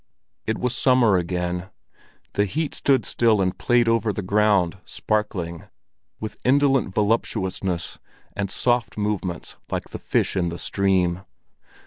It was summer again. The heat stood still and played over the ground, sparkling, with indolent voluptuousness and soft movements like the fish in the stream.